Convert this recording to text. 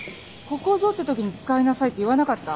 「ここぞって時に使いなさい」って言わなかった？